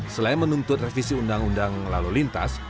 selain menuntut revisi undang undang lalu lintas